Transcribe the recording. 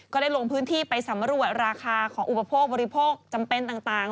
ก็ได้ลงพื้นที่ไปสำรวจราคาของอุปโภคบริโภคจำเป็นต่าง